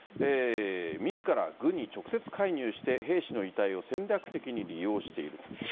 みずから軍に直接介入して兵士の遺体を戦略的に利用している。